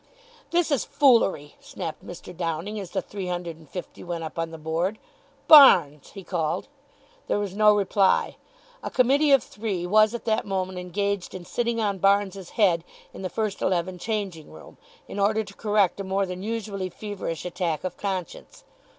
"This is foolery," snapped Mr. Downing, as the three hundred and fifty went up on the board. "Barnes!" he called. There was no reply. A committee of three was at that moment engaged in sitting on Barnes's head in the first eleven changing room, in order to correct a more than usually feverish attack of conscience.